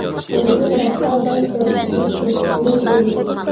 ئۇنىڭدىن باشقا، بال شەربىتى ئىشلەشكىمۇ بولىدۇ.